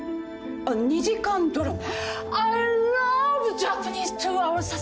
あっ２時間ドラマ？